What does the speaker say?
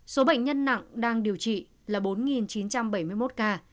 số bệnh nhân nặng đang điều trị là bốn chín trăm bảy mươi một ca